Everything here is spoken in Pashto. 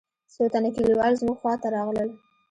څو تنه کليوال زموږ خوا ته راغلل.